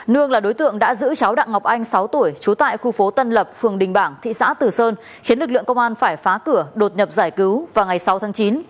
nương là đối tượng đã giữ cháu đặng ngọc anh sáu tuổi trú tại khu phố tân lập phường đình bảng thị xã tử sơn khiến lực lượng công an phải phá cửa đột nhập giải cứu vào ngày sáu tháng chín